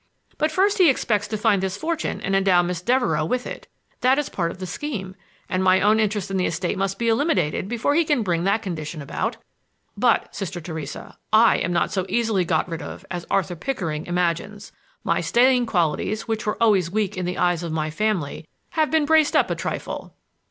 "But first he expects to find this fortune and endow Miss Devereux with it. That is a part of the scheme. And my own interest in the estate must be eliminated before he can bring that condition about. But, Sister Theresa, I am not so easily got rid of as Arthur Pickering imagines. My staying qualities, which were always weak in the eyes of my family, have been braced up a trifle."